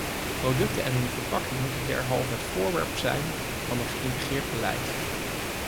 Producten en hun verpakking moeten derhalve het voorwerp zijn van een geïntegreerd beleid.